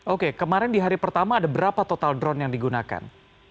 oke kemarin di hari pertama ada berapa total drone yang digunakan